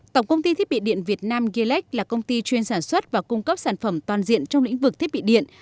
tổng công ty thiết bị điện việt nam gilech là công ty chuyên sản xuất và cung cấp sản phẩm toàn diện trong lĩnh vực thiết bị điện